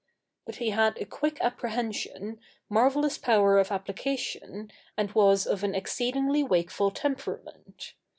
But he had a quick apprehension, marvellous power of application, and was of an exceedingly wakeful temperament.